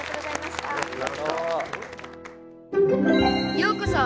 「ようこそ！」。